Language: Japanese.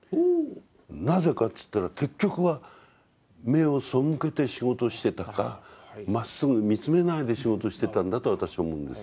なぜかって言ったら結局は目を背けて仕事してたかまっすぐ見つめないで仕事してたんだと私は思うんです。